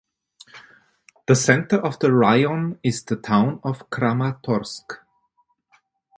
The center of the raion is the town of Kramatorsk.